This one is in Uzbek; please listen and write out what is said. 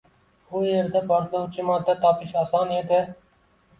U yerda portlovchi modda topish oson edi